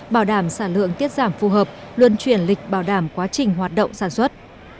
bảo đảm sản lượng tiết giảm phù hợp luân chuyển lịch bảo đảm quá trình hoạt động sản xuất